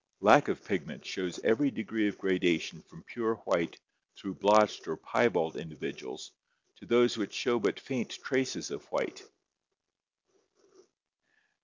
Lack of pig ment shows every degree of gradation from pure white through blotched or piebald individuals to those which show but faint traces of white.